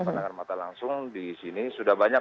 penangan mata langsung di sini sudah banyak